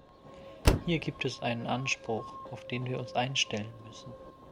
Hier gibt es einen Anspruch, auf den wir uns einstellen müssen.